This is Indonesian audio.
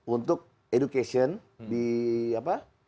untuk education di apa